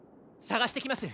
さがしてきます！